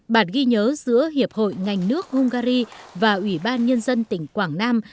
bản ghi nhớ giữa hiệp hội ngành nước hungary và ủy ban nhân dân tỉnh quảng nam